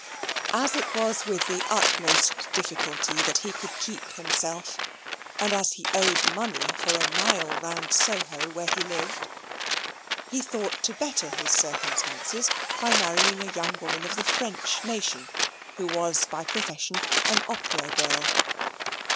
As it was with the utmost difficulty that he could keep himself, and as he owed money for a mile round Soho, where he lived, he thought to better his circumstances by marrying a young woman of the French nation, who was by profession an opera girl.